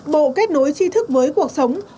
bộ kết nối chi thức với cuộc sống